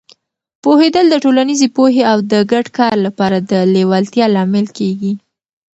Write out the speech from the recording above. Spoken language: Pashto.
پوهېدل د ټولنیزې پوهې او د ګډ کار لپاره د لیوالتیا لامل کېږي.